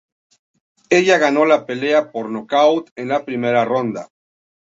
Ella ganó la pelea por nocaut en la primera ronda.